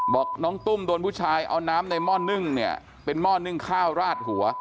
บอกน้องตุ้มโดนผู้ชายเอาน้ำในหม้อนึ่งเนี่ยเป็นหม้อนึ่งข้าวราดหัว